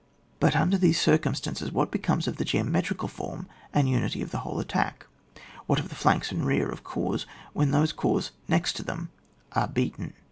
But under these circumstances, what becomes of the geometrical form and unity of the whole attack, what of the flanks and rear of corps when those corps next to them are beaten.